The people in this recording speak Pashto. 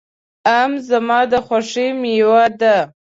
آم زما د خوښې مېوه ده.